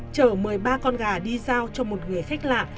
chở một mươi ba con gà đi giao cho một người sách lạ